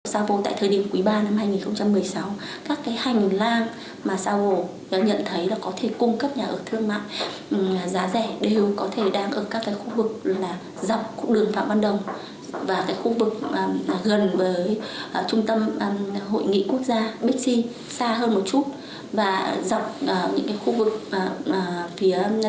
sao vô tại thời điểm quý ba năm hai nghìn một mươi sáu các cái hành lang mà sao vô nhận thấy là có thể cung cấp nhà ở thương mạng giá rẻ